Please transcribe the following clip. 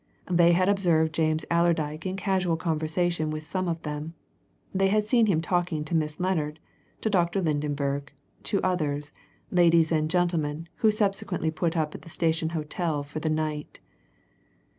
They had observed James Allerdyke in casual conversation with some of them they had seen him talking to Miss Lennard, to Dr. Lydenberg, to others, ladies and gentlemen who subsequently put up at the Station Hotel for the night.